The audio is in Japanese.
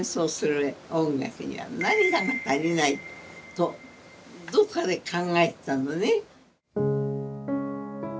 とどこかで考えてたのね。